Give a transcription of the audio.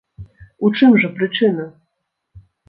У чым жа прычына?